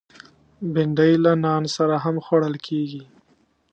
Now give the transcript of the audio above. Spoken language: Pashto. بېنډۍ له نان سره هم خوړل کېږي